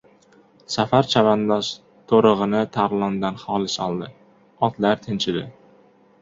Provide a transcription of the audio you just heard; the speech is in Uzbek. Safar chavandoz to‘rig‘ini Tarlondan xolis oldi. Otlar tinchidi.